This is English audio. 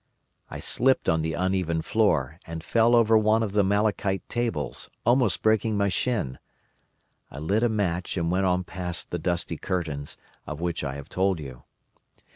I slipped on the uneven floor, and fell over one of the malachite tables, almost breaking my shin. I lit a match and went on past the dusty curtains, of which I have told you.